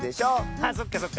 あっそっかそっか。